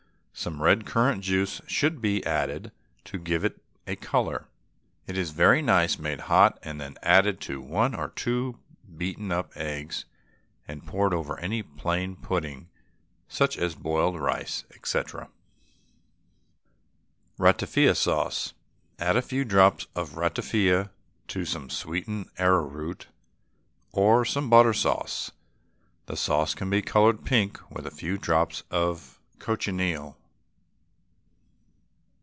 Some red currant juice should be added to give it a colour. It is very nice made hot and then added to one or two beaten up eggs and poured over any plain puddings, such as boiled rice, &c. RATAFIA SAUCE. Add a few drops of essence of ratafia to some sweetened arrowroot or to some butter sauce. The sauce can be coloured pink with a few drops of cochineal.